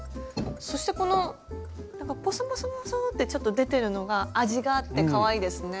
そしてこのなんかポソポソポソってちょっと出てるのが味があってかわいいですね。